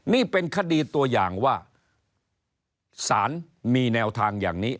นี่เป็นคดีตัวอย่างว่าศาลมีแนวทางอย่างนี้